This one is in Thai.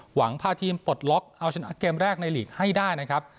พาทีมปลดล็อกเอาชนะเกมแรกในหลีกให้ได้นะครับ